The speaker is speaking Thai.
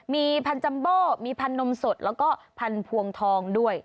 มีพันธัมโบมีพันธนมสดแล้วก็พันธุ์พวงทองด้วย